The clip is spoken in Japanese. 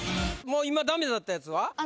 もう今ダメだったやつは？